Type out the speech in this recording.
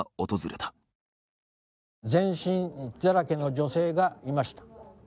全身傷だらけの女性がいました。